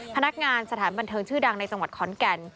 พนักงานสถานบันเทิงชื่อดังในจังหวัดขอนแก่น